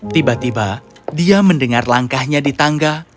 tiba tiba dia mendengar langkahnya di tangga